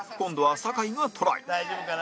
山崎：大丈夫かな？